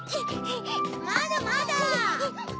まだまだ！